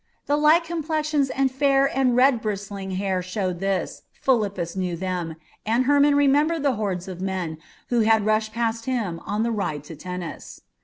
The light complexions and fair and red bristling hair showed this Philippus knew them, and Hermon remembered the hordes of men who had rushed past him on the ride to Tennis.